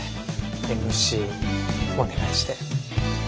ＭＣお願いして。